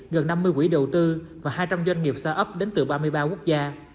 gần năm mươi quỹ đầu tư và hai trăm linh doanh nghiệp xa ấp đến từ ba mươi ba quốc gia